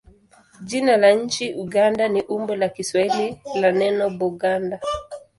Jina la nchi Uganda ni umbo la Kiswahili la neno Buganda.